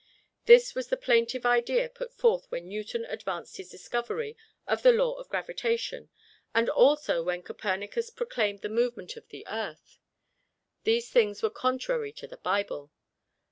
This was the plaintive plea put forth when Newton advanced his discovery of the Law of Gravitation, and also when Copernicus proclaimed the movements of the earth: these things were contrary to the Bible!